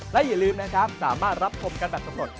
และอย่าลืมนะครับสามารถรับชมกันแบบสำรวจ